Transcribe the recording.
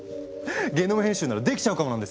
ゲノム編集ならできちゃうかもなんですよ。